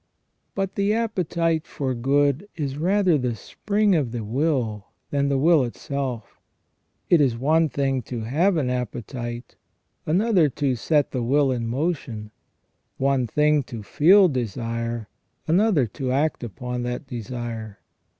"* But the appetite for good is rather the spring of the will than the will itself It is one thing to have an appetite, another to set the will in motion ; one thing to feel desire, another to act upon that desire.